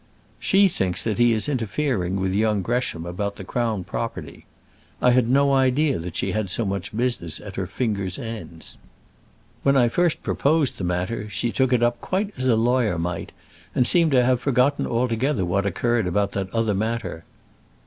"She thinks that he is interfering with young Gresham about the crown property. I had no idea that she had so much business at her fingers' ends. When I first proposed the matter she took it up quite as a lawyer might, and seemed to have forgotten altogether what occurred about that other matter."